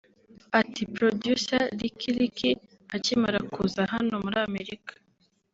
Ati “ Producer Licky Licky akimara kuza hano muri Amerika